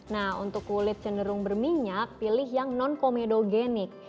nah untuk kulit cenderung berminyak pilih yang non komedogenik